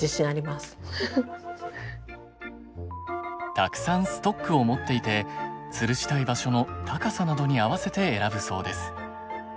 たくさんストックを持っていてつるしたい場所の高さなどに合わせて選ぶそうです。